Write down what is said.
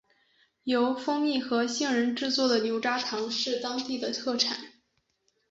由蜂蜜和杏仁制作的牛轧糖是当地的特产。